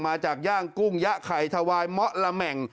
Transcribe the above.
จากย่างกุ้งยะไข่ทวายเมาะละแหม่ง